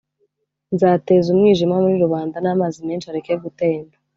nzateza umwijima muri rubanda n’amazi menshi areke gutemba